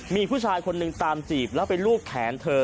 มีผู้ชายคนหนึ่งตามจีบแล้วไปลูบแขนเธอ